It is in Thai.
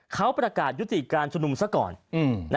เขาประกาศยุติการชุมนุมซะก่อน